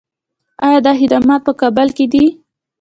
آیا دا خدمات په کابل کې دي؟